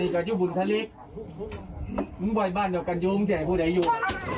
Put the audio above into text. ดีกว่าอยู่บุญธริกมึงไว้บ้านเดี๋ยวกันอยู่มึงจะให้ผู้เดี๋ยวอยู่